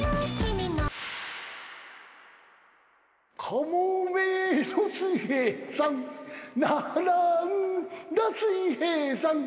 「かもめの水兵さん」「ならんだ水兵さん」